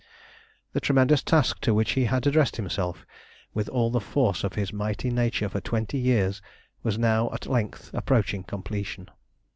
The tremendous task to which he had addressed himself with all the force of his mighty nature for twenty years, was now at length approaching completion.